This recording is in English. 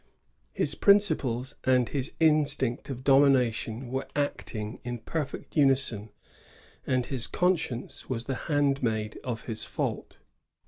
His principles and his instinct of domination were acting in perfect unison, and his conscience was the handmaid of his &ult.